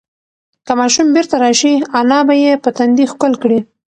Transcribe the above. که ماشوم بیرته راشي، انا به یې په تندي ښکل کړي.